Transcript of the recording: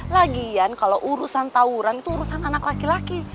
lagian kalau urusan tawuran itu urusan anak laki laki